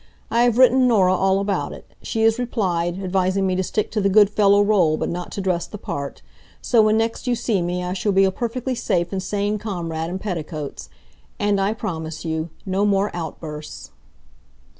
I have written Norah all about it. She has replied, advising me to stick to the good fellow role but not to dress the part. So when next you see me I shall be a perfectly safe and sane comrade in petticoats. And I promise you no more outbursts."